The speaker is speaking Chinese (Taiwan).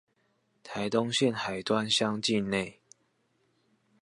臺東縣海端鄉境內